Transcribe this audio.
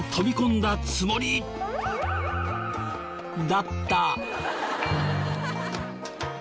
だった。